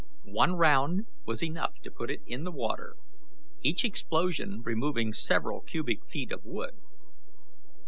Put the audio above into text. One round was enough to put it in the water, each explosion removing several cubic feet of wood.